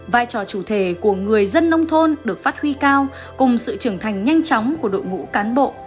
vai trò chủ thể của người dân nông thôn được phát huy cao cùng sự trưởng thành nhanh chóng của đội ngũ cán bộ